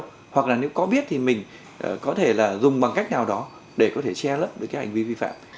nhưng mà nếu có biết thì mình có thể là dùng bằng cách nào đó để có thể che lẫn được các hành vi vi phạm